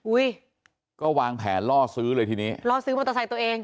อุ้ยก็วางแผนล่อซื้อเลยทีนี้ล่อซื้อมอเตอร์ไซค์ตัวเอง